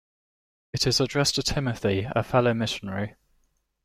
It is addressed to Timothy, a fellow missionary.